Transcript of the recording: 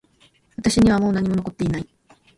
私にはもう何も残っていない